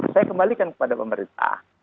saya kembalikan kepada pemerintah